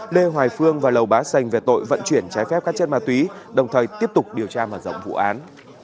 lê hoài phương và lầu bá sành về tội vận chuyển trái phép các chất ma túy đồng thời tiếp tục điều tra mở rộng vụ án